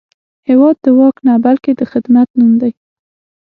هېواد د واک نه، بلکې د خدمت نوم دی.